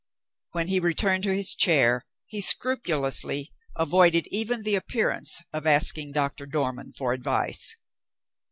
When he returned to his chair, he scrupulously avoided even the appearance of asking Doctor Dormann for advice.